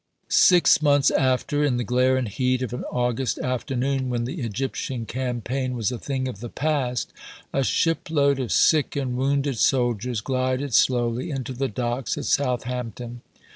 Six months after, in the glare and heat of an August afternoon, when the Egyptian campaign was a thing of the past, a shipload of sick and wounded soldiers glided slowly into the docks at Southampton.